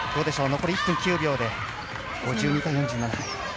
残り１分９秒で５２対４７。